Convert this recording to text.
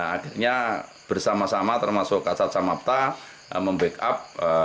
akhirnya bersama sama termasuk ksat samapta membackup